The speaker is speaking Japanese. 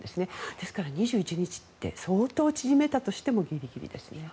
ですから、２１日って相当、縮めたとしてもギリギリですね。